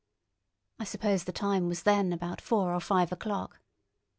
I suppose the time was then about four or five o'clock.